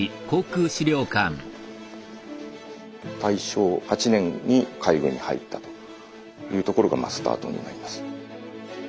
大正８年に海軍に入ったというところがスタートになります。